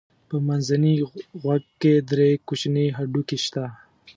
په منځني غوږ کې درې کوچني هډوکي شته.